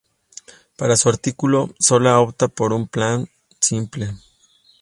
Para su artículo, Zola opta por un plan simple.